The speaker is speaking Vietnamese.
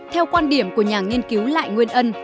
theo quan điểm của nhà nghiên cứu lại nguyên ân